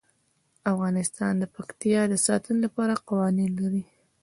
افغانستان د پکتیا د ساتنې لپاره قوانین لري.